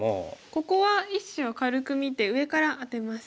ここは１子を軽く見て上からアテます。